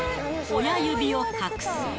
親指を隠す。